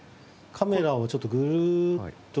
カメラをちょっとぐるーっと。